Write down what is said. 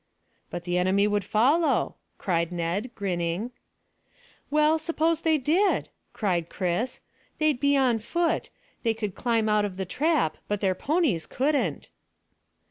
"But the enemy would follow," cried Ned, grinning. "Well, suppose they did?" cried Chris; "they'd be on foot. They could climb out of the trap, but their ponies couldn't."